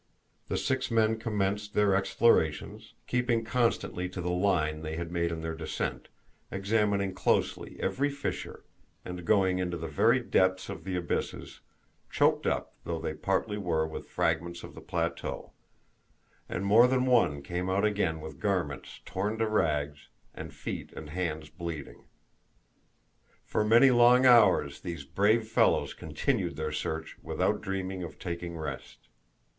The six men commenced their explorations, keeping constantly to the line they had made in their descent, examining closely every fissure, and going into the very depths of the abysses, choked up though they partly were with fragments of the plateau; and more than one came out again with garments torn to rags, and feet and hands bleeding. For many long hours these brave fellows continued their search without dreaming of taking rest.